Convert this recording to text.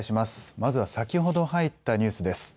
まずは先ほど入ったニュースです。